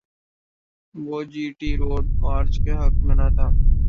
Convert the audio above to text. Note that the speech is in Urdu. وہ جی ٹی روڈ مارچ کے حق میں نہ تھے۔